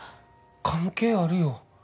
関係あるよ。